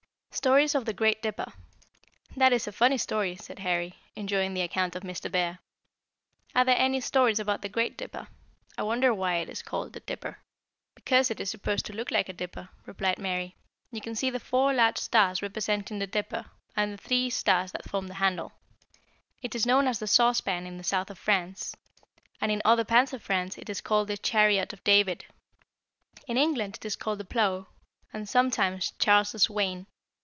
STORIES OF THE GREAT DIPPER. "That is a funny story," said Harry, enjoying the account of Mr. Bear. "Are there any stories about the Great Dipper? I wonder why it is called the 'Dipper'?" [Illustration: THE GREAT DIPPER AND THE LITTLE DIPPER.] "Because it is supposed to look like a dipper," replied Mary. "You can see the four large stars representing the dipper and the three stars that form the handle. It is known as the 'Saucepan' in the South of France, and in other parts of France it is called the 'Chariot of David.' In England it is called the 'Plow' and sometimes 'Charles's Wain.'